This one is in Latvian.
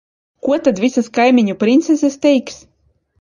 Ko tad visas kaimiņu princeses teiks?